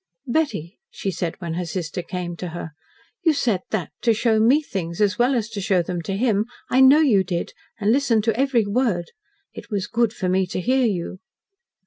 "Betty," she said, when her sister came to her, "you said that to show ME things, as well as to show them to him. I knew you did, and listened to every word. It was good for me to hear you."